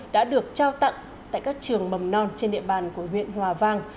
đã được trao tặng tại các trường mầm non trên địa bàn của huyện hòa vang